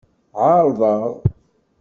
Ɛeṛḍeɣ.